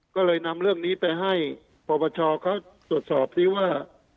ก็เลยนำเรื่องนี้ไปให้ปปชเขาตรวจสอบซิว่า